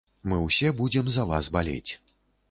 Мы ўсе будзем за вас балець.